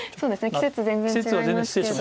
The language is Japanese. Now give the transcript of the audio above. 季節全然違いますけど。